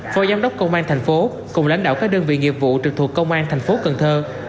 phó giám đốc công an thành phố cùng lãnh đạo các đơn vị nghiệp vụ trực thuộc công an thành phố cần thơ